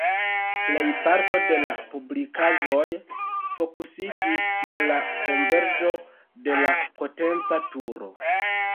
Plej parto de publikaĵoj fokusiĝis sur la konverĝo de la potenca turo.